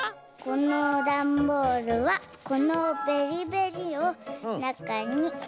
このダンボールはこのベリベリをなかにグッと。